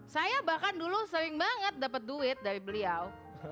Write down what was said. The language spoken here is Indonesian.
saya bahkan dulu sering banget dapet duit dari beliau